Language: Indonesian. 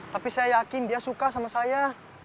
tapi saya yakin dia suka sama saya